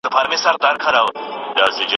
شاګرد د استاد مشوره عملي کوي.